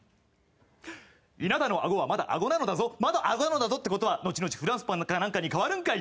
稲田のあごはまだあごなのだぞまだあごなのだぞってことは後々フランスパンか何かに変わるんかい！